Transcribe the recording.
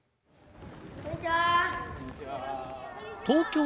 こんにちは！